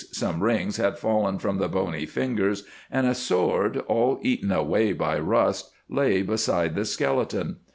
Some rings had fallen from the bony fingers, and a sword, all eaten away by rust, lay beside the skeleton.